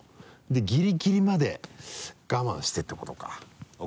でギリギリまで我慢してってことか。